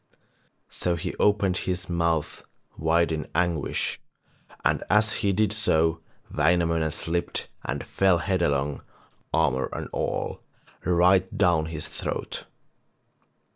So he opened his mouth wide in anguish, and as he did so Wainamoinen slipped and fell headlong, armour and all, right down his throat.